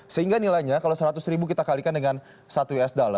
sehingga nilainya kalau seratus ribu kita kalikan dengan satu usd